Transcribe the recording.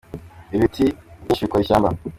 ibiti byinshi bikora ishyamba